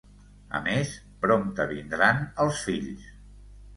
A més, prompte vindran els fills.